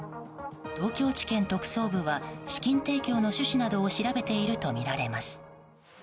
東京地検特捜部は資金提供の趣旨などを調べているとみられます。